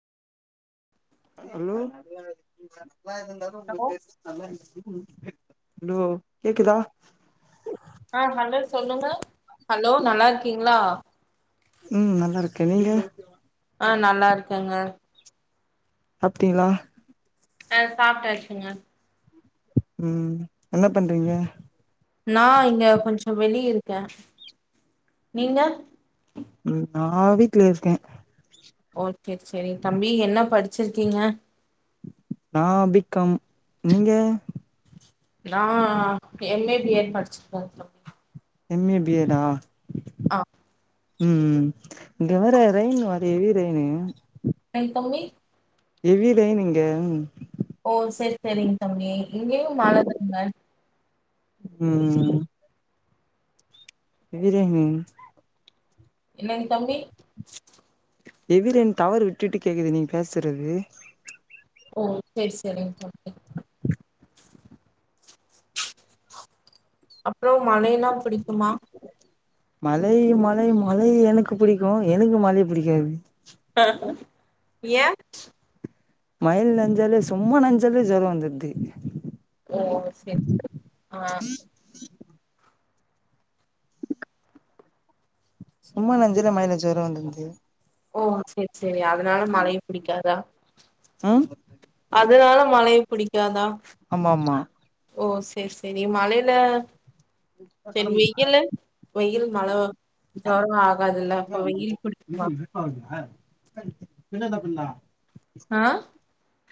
[inaudible] hello bro கேக்குதா ஆ hello சொல்லுங்க ஹலோ நல்லா இருக்கீங்களா ம் நல்லா இருக்கே நீங்க ஆ நல்லா இருக்கேங்க அப்டிங்ளா அ சாப்பிட்டாச்சுங்க ம் என்ன பண்றீங்க நா இங்க கொஞ்சோ வெளிய இருக்கே நீங்க நா வீட்ல இருக்கே ஓகே சரி தம்பி என்ன படிச்சிருக்கீங்க நா பிக்காம் நீங்க நா எம் ஏ பி ஏடு படிச்சிருக்கே எம் ஏ பி ஏ டா ஆ உம் இங்க வேற ரெயன் வர்து ஹெவி ரெயினு [unintelligible] எவி ரெயின் இங்க தம்பி ஓ சரி சரிங் தம்பி இங்கையு மழ தாங்க உம் எவி ரெய்ன் என்னங் தம்பி எவிரெய்ன் டவர் விட்டுட்டு கேக்குது நீங் பேசறது ஓ சேரி சேரிங் தம்பி அப்றோ மழைன்னா புடிக்குமா மழை மழை மழை எனக்கு புடிக்கு எனக்கு மழை புடிக்காது ஆஹ ஏ மழைல் நஞ்சாலே சும்மா நஞ்சாலே ஜெர வந்துடுது ஓ சேரி சேரி ஆ சும்மா நஞ்சுல மழேல ஜொரோ வந்துருது ஓ சேரி சேரி அதனால மழை புடிக்காதா ம் அதனால மழை புடிக்காதா அம்மாமா ஓ சேரி சேரி மழைல செரி வெய்யிலு வெயில் மழை வரு ஜொரோ ஆகாதுல்ல அப்ப வெயில் புடிக்மா [inaudible] ஆ